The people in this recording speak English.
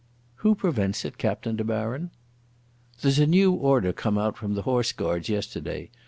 "Who prevents it, Captain de Baron?" "There's a new order come out from the Horse Guards yesterday.